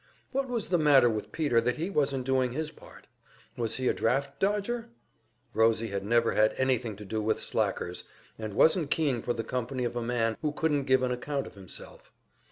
What was the matter with Peter that he wasn't doing his part? Was he a draft dodger? Rosie had never had anything to do with slackers, and wasn't keen for the company of a man who couldn't give an account of himself.